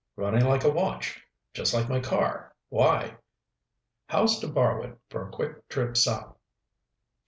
"Running like a watch. Just like my car. Why?" "How's to borrow it for a quick trip south?"